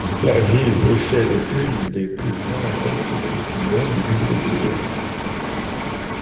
La ville possède une des plus grandes densités d'immeubles du Brésil.